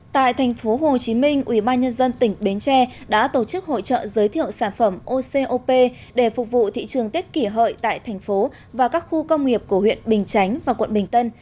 tại thành phố hồ chí minh ubnd tỉnh bến tre đã tổ chức hội trợ giới thiệu sản phẩm ocop để phục vụ thị trường tiết kỷ hợi tại thành phố và các khu công nghiệp của huyện bình chánh và quận bình tân